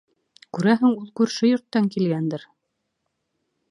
Күрәһең, ул күрше йорттан килгәндер.